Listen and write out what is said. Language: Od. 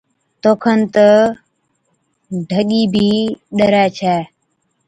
توکن تہ ڍڳِي بِي ڏَرَي ڇَي۔